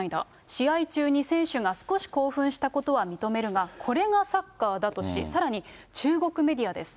試合中に選手が少し興奮したことは認めるが、これがサッカーだとし、さらに、中国メディアです。